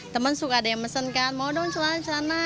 teman suka ada yang mesen kan mau dong celana celana